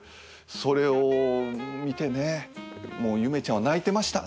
それを見てねもう夢ちゃんは泣いてました。